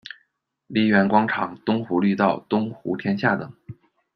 梨园广场、东湖绿道、东湖天下等。